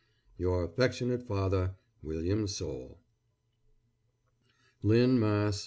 Your affectionate father, WILLIAM SOULE. LYNN, MASS.